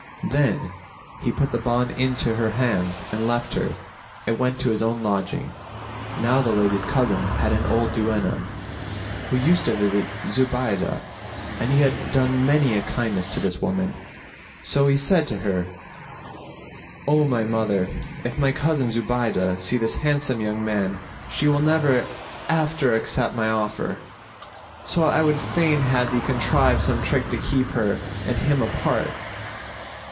Then he put the bond into her hands and left her and went to his own lodging. Now the lady's cousin had an old duenna who used to visit Zubaydah, and he had done many a kindness to this woman, so he said to her, "O my mother, if my cousin Zubaydah see this handsome young man, she will never after accept my offer; so I would fain have thee contrive some trick to keep her and him apart."